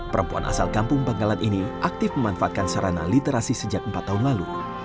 perempuan asal kampung bangkalan ini aktif memanfaatkan sarana literasi sejak empat tahun lalu